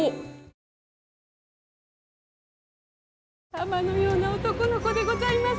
玉のような男の子でございます。